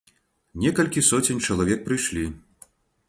Некалькі соцень чалавек прыйшлі.